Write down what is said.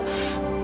aku gak mau